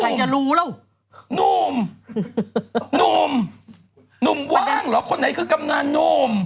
ไอ้นุ่มนุ่มนุ่มนุ่มว้างเหรอคนไหนคือกำนันนุ่ม